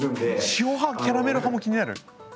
塩派キャラメル派も気になる？